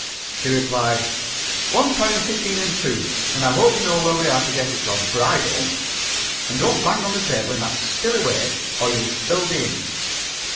She replied, "One pound fifteen and two, and I hope you know where we are to get it from, for I don't. And don't bang on the table in that silly way, or you'll spill the ink."